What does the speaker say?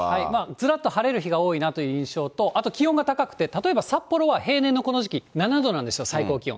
ずらっと晴れる日が多いなという印象と、あと気温が高くて、例えば札幌は平年のこの時期７度なんですよ、最高気温。